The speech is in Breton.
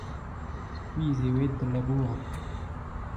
Skuizh eo aet o labourat.